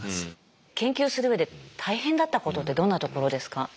研究するうえで大変だったことってどんなところですか？